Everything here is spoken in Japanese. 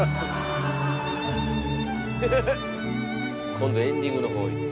今度エンディングの方いった。